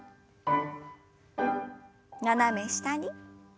斜め下に。